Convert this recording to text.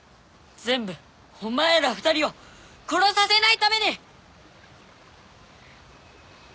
全部お前ら２人を殺させないために！